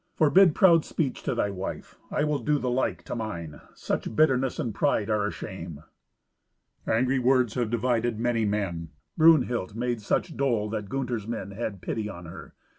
Forbid proud speech to thy wife: I will do the like to mine. Such bitterness and pride are a shame." Angry words have divided many men. Brunhild made such dole, that Gunther's men had pity on her.